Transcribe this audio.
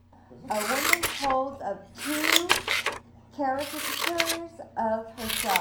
A woman holds up two caricatures of herself.